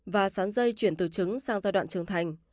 và sán dây truyền từ chứng sang giai đoạn trưởng thành